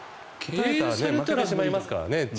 負けてしまいますからね。